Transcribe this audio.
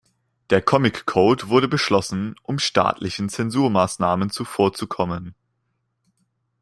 Der Comic-Code wurde beschlossen, um staatlichen Zensurmaßnahmen zuvorzukommen.